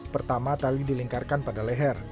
pertama tali dilingkarkan pada leher